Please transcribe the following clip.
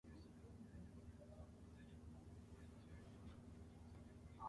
"Jupiter" was twinned with the town of Middlesbrough in North East England.